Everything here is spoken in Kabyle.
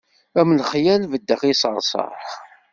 Am lexyal beddeɣ i ṣṣerṣer.